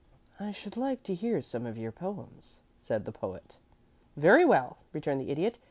"I should like to hear some of your poems," said the Poet. "Very well," returned the Idiot.